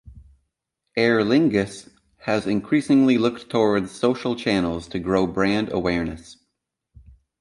Aer Lingus has increasingly looked towards social channels to grow brand awareness.